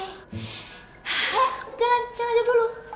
hei jangan jangan jauh dulu